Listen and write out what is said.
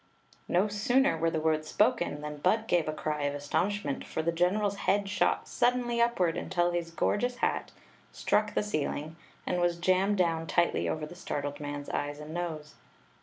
No sooner were the words spoken than Bud gave • a cry of astonishment; for the general's head shot suddenly upward until his gorgeous hat struck the ceiling and was jammed down tightly over the startled man's eyes and nose.